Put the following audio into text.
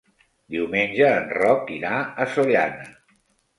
Diumenge en Roc irà a Sollana.